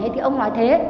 thì ông nói thế